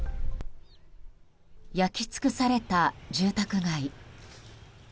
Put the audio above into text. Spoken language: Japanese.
焼き尽くされた住宅街。